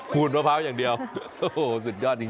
ขูดมะพร้าวอย่างเดียวทุกคิดยอดจริง